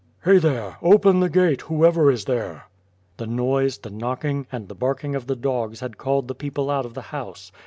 "Hey, there! open the gate, whoever is there! The noise, the knocking, and the barking of the dogs had called the people out of the house.